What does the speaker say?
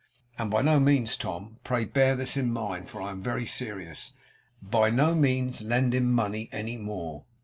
And by no means, Tom pray bear this in mind, for I am very serious by no means lend him money any more.